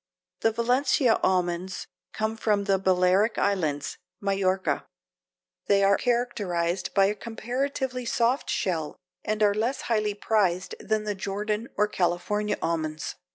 The Valencia almonds come from the Balearic islands (Majorca); they are characterized by a comparatively soft shell and are less highly prized than the Jordan or the California almonds.